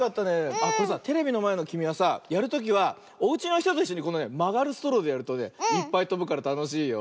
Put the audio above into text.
あっこれさテレビのまえのきみはさやるときはおうちのひとといっしょにこのねまがるストローでやるとねいっぱいとぶからたのしいよ。